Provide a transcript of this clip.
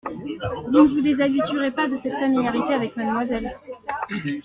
Vous ne vous déshabituerez pas de cette familiarité avec mademoiselle ?